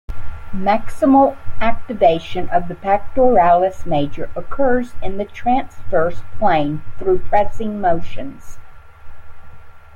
Maximal activation of the pectoralis major occurs in the transverse plane through pressing motions.